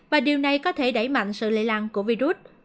và điều này có thể đẩy mạnh sự lây lan của virus